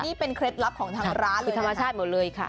นี่เป็นเคล็ดลับของทางร้านหรือธรรมชาติหมดเลยค่ะ